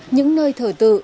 những nơi thờ tự